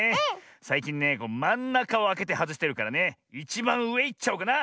さいきんねまんなかをあけてはずしてるからねいちばんうえいっちゃおうかな！